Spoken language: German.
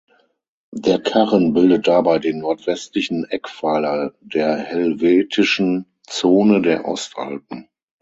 Der Karren bildet dabei den nordwestlichen Eckpfeiler der helvetischen Zone der Ostalpen.